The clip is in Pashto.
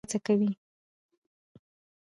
اداره د عامه چارو د سم مدیریت هڅه کوي.